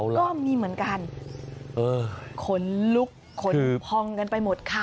ก็มีเหมือนกันขนลุกขนพองกันไปหมดค่ะ